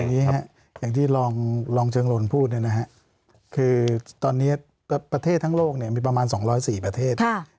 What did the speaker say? อย่างที่รองเชิงโรนพูดด้วยนะครับคือตอนนี้ประเทศทั้งโลกมีประมาณ๒๐๔ประเทศ